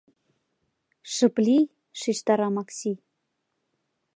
— Шып лий! — шижтара Макси.